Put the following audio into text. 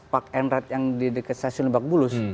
park and ride yang di dekat stasiun lebak bulus